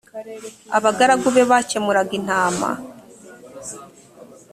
abagaragu be bakemuraga intama